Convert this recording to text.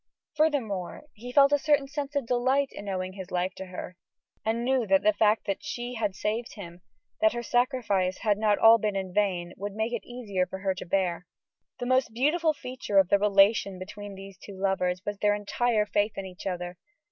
Furthermore, he felt a certain sense of delight in owing his life to her, and knew that the fact that she had saved him that her sacrifice had not all been in vain would make it easier for her to bear. The most beautiful feature of the relations between these two lovers was their entire faith in each other.